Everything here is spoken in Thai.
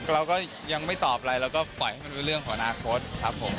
เราก็ยังไม่ตอบอะไรเราก็ปล่อยให้มันเป็นเรื่องของอนาคตครับผม